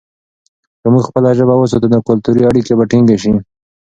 که موږ خپله ژبه وساتو، نو کلتوري اړیکې به ټینګې شي.